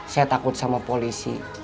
saya takut sama polisi